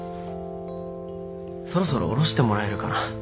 そろそろ降ろしてもらえるかな？